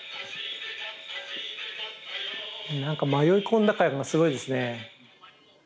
なんか迷い込んだ感がすごいですね。